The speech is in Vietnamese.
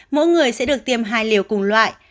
mỗi người sẽ được tiêm hai liều cùng loại